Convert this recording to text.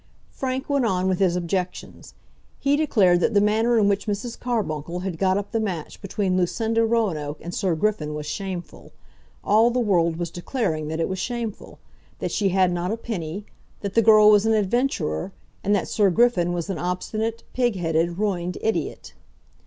Frank went on with his objections. He declared that the manner in which Mrs. Carbuncle had got up the match between Lucinda Roanoke and Sir Griffin was shameful, all the world was declaring that it was shameful, that she had not a penny, that the girl was an adventurer, and that Sir Griffin was an obstinate, pig headed, ruined idiot.